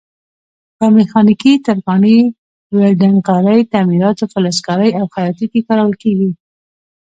په میخانیکي، ترکاڼۍ، ویلډنګ کارۍ، تعمیراتو، فلزکارۍ او خیاطۍ کې کارول کېږي.